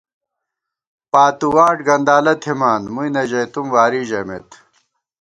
پاتُو واٹ گندالہ تھِمان، مُوئی نہ ژَئیتُم واری ژَمېت